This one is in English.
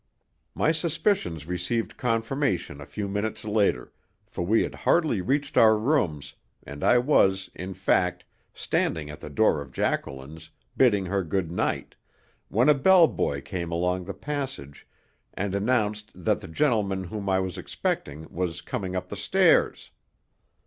My suspicions received confirmation a few minutes later, for we had hardly reached our rooms, and I was, in fact, standing at the door of Jacqueline's, bidding her good night, when a bellboy came along the passage and announced that the gentleman whom I was expecting was coming up the stairs.